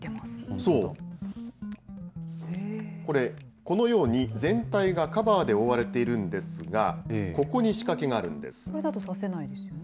そう、これ、このように全体がカバーで覆われているんですが、ここに仕掛けがこれだと刺せないですよね。